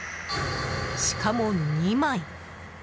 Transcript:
しかも、２枚。